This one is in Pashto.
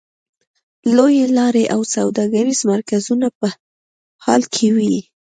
لویې لارې او سوداګریز مرکزونه په حال کې وې.